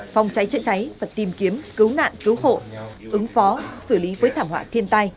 phòng cháy chữa cháy và tìm kiếm cứu nạn cứu hộ ứng phó xử lý với thảm họa thiên tai